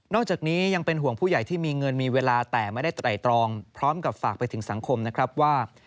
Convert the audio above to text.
จากนี้ยังเป็นห่วงผู้ใหญ่ที่มีเงินมีเวลาแต่ไม่ได้ไตรตรองพร้อมกับฝากไปถึงสังคมนะครับว่า